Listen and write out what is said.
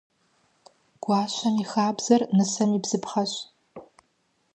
Гуащэм и хабзэр нысэм и бзыпхъэщ.